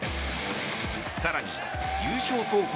更に、優勝候補